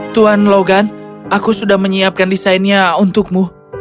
tuan logan aku sudah menyiapkan desainnya untukmu